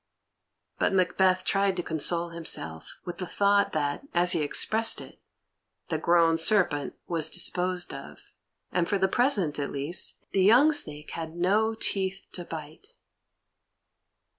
But Macbeth tried to console himself with the thought that, as he expressed it, "the grown serpent" was disposed of, and for the present, at least, the young snake had no teeth to bite.